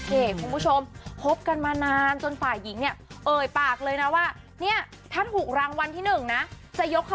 คุณผู้ชมพบกันมานานจนตายผ่าหญิงเนี่ย